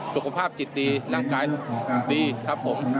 สุขภาพจิตดีร่างกายดีครับผม